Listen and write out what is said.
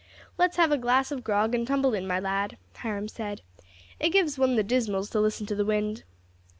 "Let's have a glass of grog and tumble in, my lad," Hiram said, "it gives one the dismals to listen to the wind."